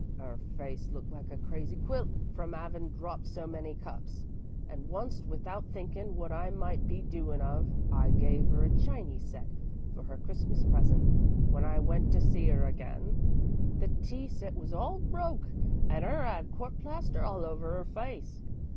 'Er face looked like a crazy quilt from 'aving dropped so many cups, and wunst, without thinkin' wot I might be doin' of, I gave 'er a chiny tea set for 'er Christmas present. "Wen I went to see 'er again, the tea set was all broke and 'er 'ad court plaster all over 'er face.